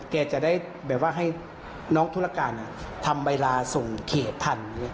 แกจะได้แบบว่าให้น้องธุรการทำใบลาส่งเขตทัน